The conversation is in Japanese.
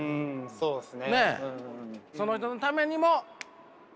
そうですね。